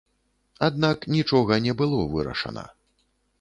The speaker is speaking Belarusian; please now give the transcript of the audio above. Аднак нічога не было вырашана.